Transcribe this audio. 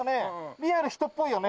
リアル人っぽいよね？